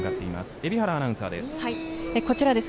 海老原アナウンサーです。